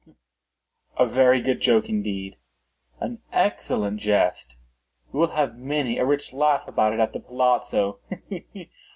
ha! ha!—he! he!—a very good joke indeed—an excellent jest. We will have many a rich laugh about it at the palazzo—he!